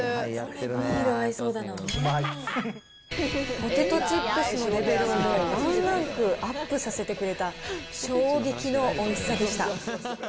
ポテトチップスのレベルをワンランクアップさせてくれた、衝撃のおいしさでした。